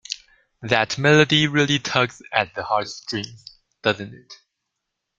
That melody really tugs at the heartstrings, doesn't it?